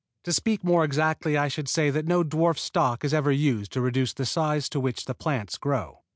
To speak more exactly I should say that no dwarf stock is ever used to reduce the size to which the plants grow.